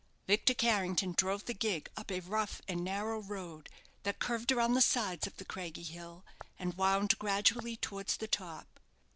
Victor Carrington drove the gig up a rough and narrow road that curved around the sides of the craggy hill, and wound gradually towards the top.